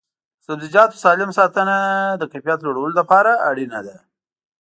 د سبزیجاتو سالم ساتنه د کیفیت لوړولو لپاره اړینه ده.